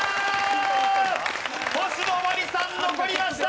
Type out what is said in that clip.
星野真里さん残りました。